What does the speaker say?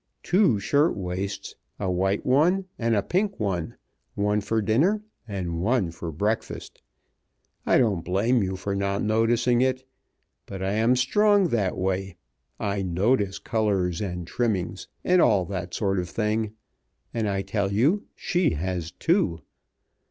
Two shirt waists, a white one and a pink one, one for dinner and one for breakfast. I don't blame you for not noticing it, but I am strong that way. I notice colors and trimmings and all that sort of thing. And I tell you she has two.